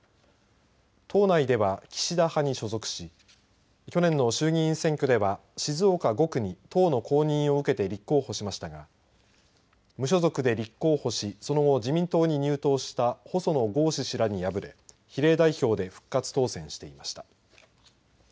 党内では岸田派に所属し去年の衆議院選挙では静岡５区に党の公認を受けて立候補しましたが無所属で立候補しその後、自民党に入党した細野豪志氏らに敗れ比例代表で復活当選していました。